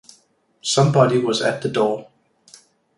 Somebody was at the door.